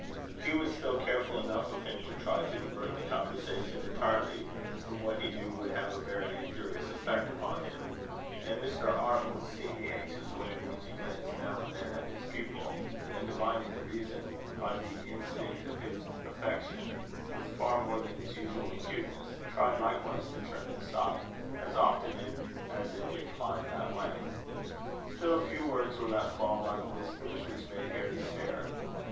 Hugh was still careful enough of him to try to divert the conversation entirely from what he knew would have a very injurious effect upon him; and Mr. Arnold, seeing the anxious way in which he glanced now and then at his pupil, and divining the reason, by the instinct of his affection, with far more than his usual acuteness, tried likewise to turn it aside, as often as it inclined that way. Still a few words were let fall by the visitors, which made Harry stare.